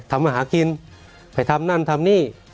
ทำอาหารกินไปทำนั่นทำนี่